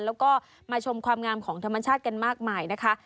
แล้วก็มาชมความงามของธรรมชาติกันมากมายนะคะ